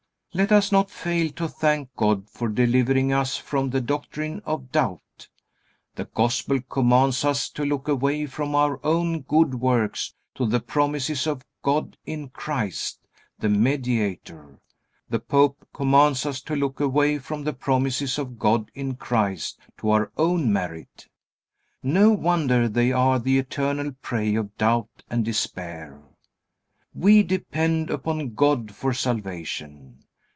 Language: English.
Let us not fail to thank God for delivering us from the doctrine of doubt. The Gospel commands us to look away from our own good works to the promises of God in Christ, the Mediator. The pope commands us to look away from the promises of God in Christ to our own merit. No wonder they are the eternal prey of doubt and despair. We depend upon God for salvation.